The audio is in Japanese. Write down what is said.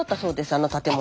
あの建物。